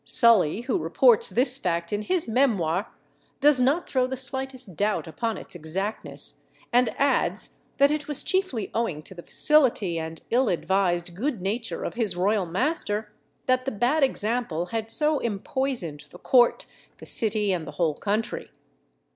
Sully, who reports this fact in his Memoirs, does not throw the slightest doubt upon its exactness; and adds, that it was chiefly owing to the facility and ill advised good nature of his royal master that the bad example had so empoisoned the court, the city, and the whole country.